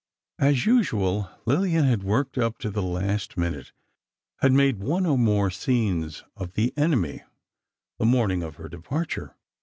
As usual, Lillian had worked up to the last minute, had made one or more scenes of "The Enemy" the morning of her departure.